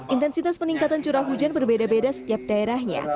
intensitas peningkatan curah hujan berbeda beda setiap daerahnya